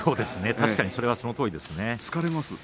確かにそのとおりですね。